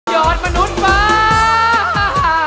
ยอดมนุษย์มา